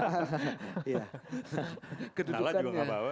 salah juga gak apa apa